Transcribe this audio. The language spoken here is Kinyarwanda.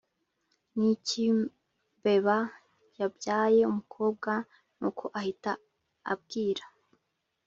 nkicyimbeba yabyaye umukobwa nuko ahita abwira